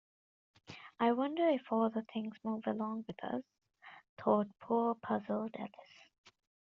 ‘I wonder if all the things move along with us?’ thought poor puzzled Alice.